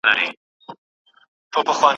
دا وار مو تر ټولو ښکلې قصه درباندي نازله کړه.